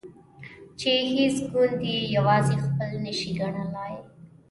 چې هیڅ ګوند یې یوازې خپل نشي ګڼلای.